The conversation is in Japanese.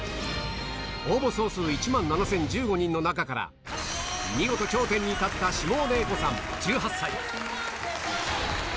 応募総数１万７０１５人の中から、見事頂点に立った下尾礼子さん１８歳。